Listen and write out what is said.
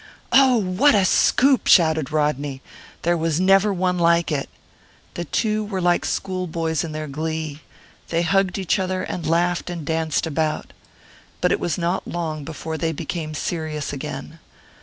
"Oh, what a scoop!" shouted Rodney. "There was never one like it." The two were like schoolboys in their glee. They hugged each other, and laughed and danced about. But it was not long before they became serious again.